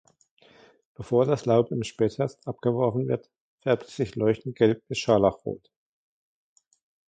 Bevor das Laub im Spätherbst abgeworfen wird, färbt es sich leuchtend gelb bis scharlachrot.